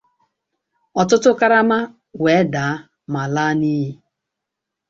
ọtụtụ karama wee dàá ma laa n'iyì.